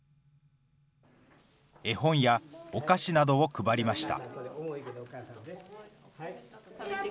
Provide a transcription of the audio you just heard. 絵本やお菓子などを配りました。